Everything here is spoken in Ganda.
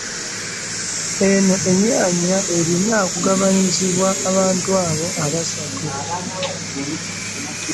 Eno enyanya erina okugabanyizibwa abantu abo abasatu